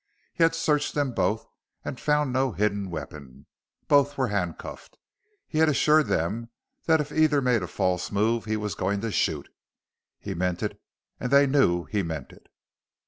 He had searched them both and found no hidden weapon. Both were handcuffed. He had assured them that if either made a false move, he was going to shoot. He meant it and they knew he meant it.